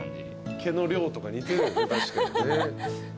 毛の量とか似てる確かにね。